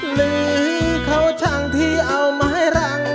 หรือเขาช่างที่เอามาให้รัง